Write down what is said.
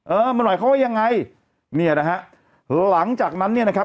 เออมันหมายความว่ายังไงเนี่ยนะฮะหลังจากนั้นเนี่ยนะครับ